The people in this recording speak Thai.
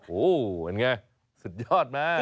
โอ้โหเป็นไงสุดยอดมาก